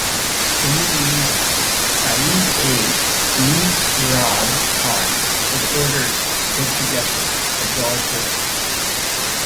In the meantime, Shah's aid Mihrab Khan was ordered to take possession of Jodhpur.